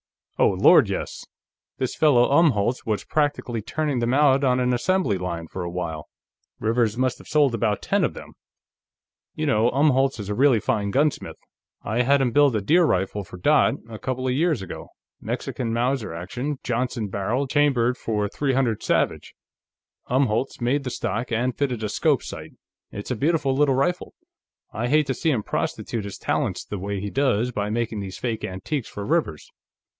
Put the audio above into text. "Oh Lord, yes! This fellow Umholtz was practically turning them out on an assembly line, for a while. Rivers must have sold about ten of them. You know, Umholtz is a really fine gunsmith; I had him build a deer rifle for Dot, a couple of years ago Mexican Mauser action, Johnson barrel, chambered for .300 Savage; Umholtz made the stock and fitted a scope sight it's a beautiful little rifle. I hate to see him prostitute his talents the way he does by making these fake antiques for Rivers.